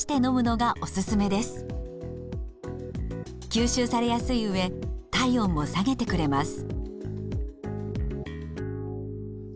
吸収されやすいうえ体温も下げてくれます。